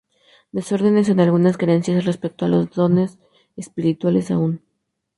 Desórdenes en algunas creencias respecto a los dones espirituales aún.